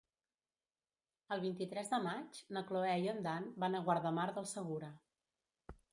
El vint-i-tres de maig na Cloè i en Dan van a Guardamar del Segura.